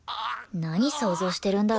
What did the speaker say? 何想像してるんだろう。